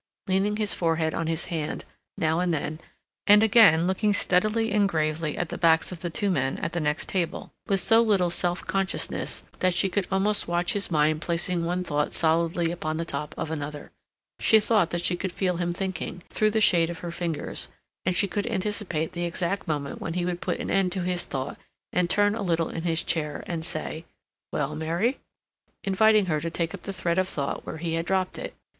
leaning his forehead on his hand, now and then, and again looking steadily and gravely at the backs of the two men at the next table, with so little self consciousness that she could almost watch his mind placing one thought solidly upon the top of another; she thought that she could feel him thinking, through the shade of her fingers, and she could anticipate the exact moment when he would put an end to his thought and turn a little in his chair and say: "Well, Mary—?" inviting her to take up the thread of thought where he had dropped it.